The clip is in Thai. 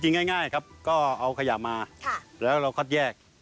จริงง่ายเอาขยะมาแล้วเราก็แยก